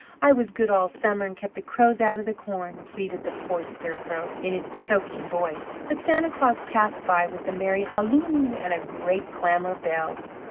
I was good all summer and kept the crows out of the corn," pleaded the poor Scarecrow in his choking voice, but Santa Claus passed by with a merry halloo and a great clamour of bells.